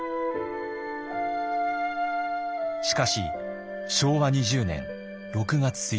しかし昭和２０年６月１日。